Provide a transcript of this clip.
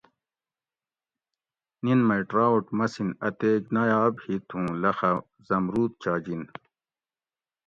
نِن مئ ٹراؤٹ مسِین اتیک نایاب ہِت اُوں لخہ زمرود چاجِن